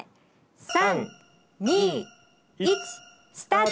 ３２１スタート！